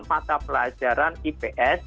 mata pelajaran ips